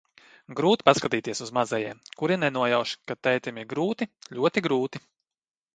Grūti paskatīties uz mazajiem, kuri nenojauš, ka tētim ir grūti, ļoti grūti.